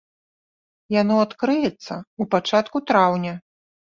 Яно адкрыецца ў пачатку траўня.